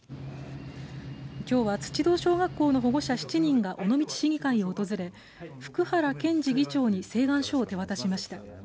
きょうは土堂小学校の保護者７人が尾道市議会を訪れ福原謙二議長に請願書を手渡しました。